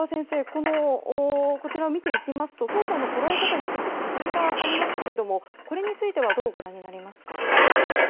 こちらを見ていきますと双方の捉え方について違いがありますけれどもこれについてはどうご覧になりますか。